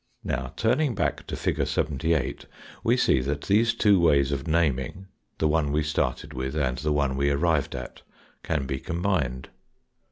Now, turning back to fig. 78, we see that these two ways of naming, the one we started with and the one we arrived at, can be combined.